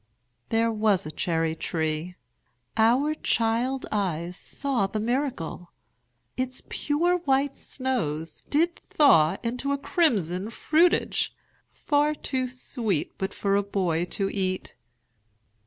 There was a cherry tree our child eyes saw The miracle: Its pure white snows did thaw Into a crimson fruitage, far too sweet But for a boy to eat.